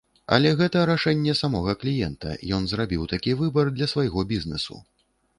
Але гэта рашэнне самога кліента, ён зрабіў такі выбар для свайго бізнэсу.